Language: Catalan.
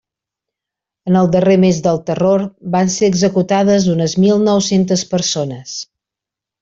En el darrer mes del Terror, van ser executades unes mil nou-centes persones.